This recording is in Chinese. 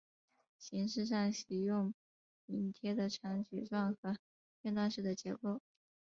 形式上喜用拼贴的长矩状和片段式的结构。